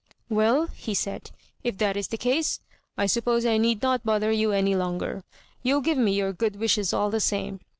" Well," he said, "if that is the case, I sup p<>se I need not bother you any longer. You'll give me your good wishes all the same.